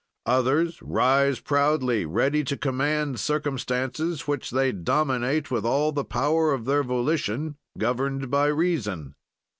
"Others rise proudly, ready to command circumstances, which they dominate with all the power of their volition governed by reason.